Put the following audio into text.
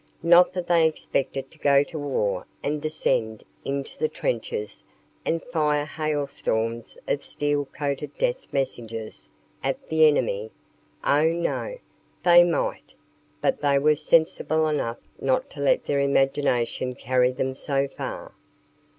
Not that they expected to go to war and descend into the trenches and fire hail storms of steel coated death messengers at the enemy. Oh, no. They might, but they were sensible enough not to let their imagination carry them so far.